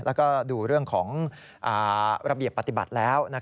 แล้วก็ดูเรื่องของระเบียบปฏิบัติแล้ว